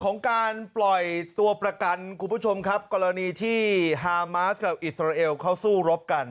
ของการปล่อยตัวประกันคุณผู้ชมครับกรณีที่ฮามาสกับอิสราเอลเขาสู้รบกัน